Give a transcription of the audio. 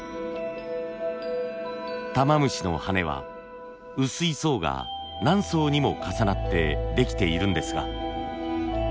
タマムシの羽は薄い層が何層にも重なってできているんですが。